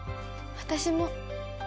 私も。